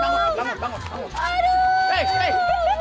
nah begini nih